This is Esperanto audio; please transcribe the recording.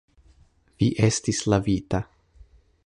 Vi estis lavita.